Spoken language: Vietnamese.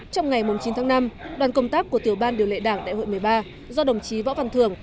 trong ngày chín tháng năm đoàn công tác của tiểu ban điều lệ đảng đại hội một mươi ba do đồng chí võ văn thường